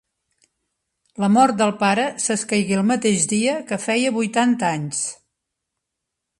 La mort del pare s'escaigué el mateix dia que feia vuitanta anys.